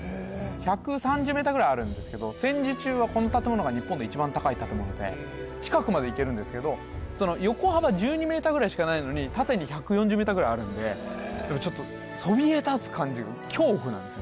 １３０ｍぐらいあるんですけど戦時中はこの建物が日本で一番高い建物で近くまで行けるんですけど横幅１２ｍぐらいしかないのに縦に１４０ｍぐらいあるんでちょっとそびえ立つ感じが恐怖なんですよね